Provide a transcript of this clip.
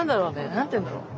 何て言うんだろう。